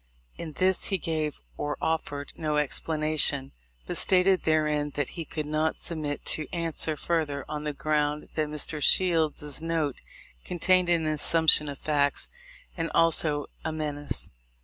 In this he gave or offered no explanation, but stated therein that he could not submit to answer further, on the ground that Mr. Shield's note contained an assumption of facts and also a menace.